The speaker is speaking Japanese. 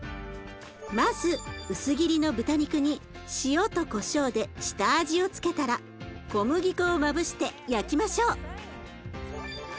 まず薄切りの豚肉に塩とこしょうで下味を付けたら小麦粉をまぶして焼きましょう。ＯＫ。